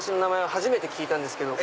初めて聞いたんですけど。